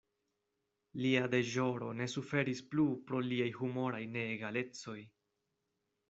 Lia deĵoro ne suferis plu pro liaj humoraj neegalecoj.